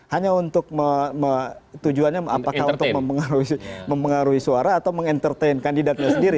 hanya untuk tujuannya apakah untuk mempengaruhi suara atau meng entertain kandidatnya sendiri